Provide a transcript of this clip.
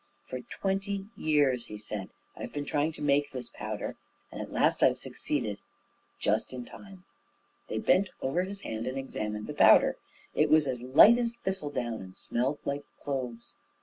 "For twenty years," he said, "I've been trying to make this powder; and at last I've succeeded just in time." They bent over his hand and examined the powder. It was as light as thistle down, and smelt like cloves.